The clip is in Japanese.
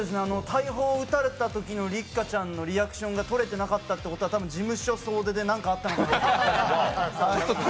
大砲を撃たれたときの六花ちゃんのリアクションが撮れてなかったってことは多分、事務所総出で何かあったのかなって。